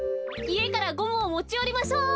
いえからゴムをもちよりましょう。